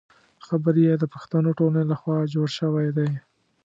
قبر یې د پښتو ټولنې له خوا جوړ شوی دی.